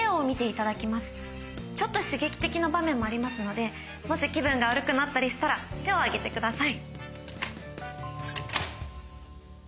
ちょっと刺激的な場面もありますのでもし気分が悪くなったりしたら手を挙げてください。